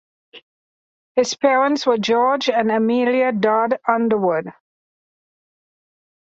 His parents were George and Amelia Dodd Underwood.